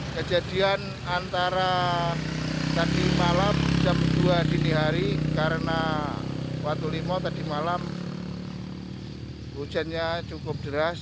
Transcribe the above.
kejadian antara tadi malam jam dua dini hari karena watulimo tadi malam hujannya cukup deras